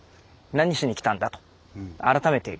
何しに来たんだ？